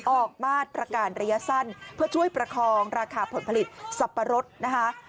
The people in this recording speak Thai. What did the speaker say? ออกมาตรการระยะสั้นเพื่อช่วยประคองราคาผลผลิตสับปะรดนะคะ